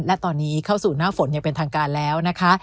และตอนนี้เข้าสู่หน้าฝนอย่างเป็นทางการแล้วนะคะ